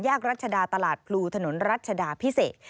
รัชดาตลาดพลูถนนรัชดาพิเศษ